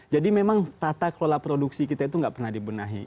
jadi memang tata kelola produksi kita itu nggak pernah dibenahi